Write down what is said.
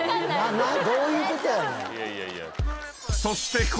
そして。